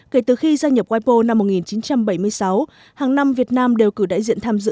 kể từ khi gia nhập wipo năm một nghìn chín trăm bảy mươi sáu hàng năm việt nam đều cử đại diện tham dự